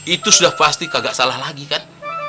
itu sudah pasti kagak salah lagi kan